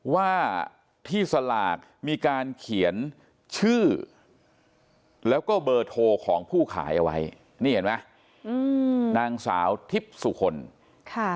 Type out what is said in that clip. ว่าที่สลากมีการเขียนชื่อแล้วก็เบอร์โทรของผู้ขายเอาไว้นี่เห็นไหมอืมนางสาวทิพย์สุคลค่ะ